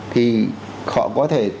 thì họ có thể